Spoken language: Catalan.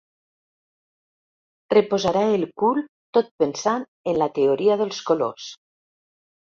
Reposarà el cul tot pensant en la teoria dels colors.